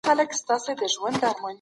پیل، منځ او پای پکې سخت نه ښکاري.